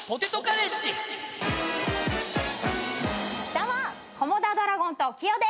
どうもコモダドラゴンときよで